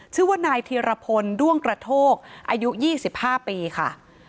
ชื่อว่านายเทียรพลด้วงกระโทกอายุยี่สิบห้าปีค่ะ